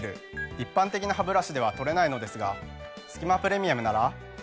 一般的なハブラシでは取れないのですがすき間プレミアムなら。